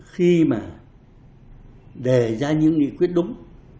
khi mà đề ra những nghị quyết đúng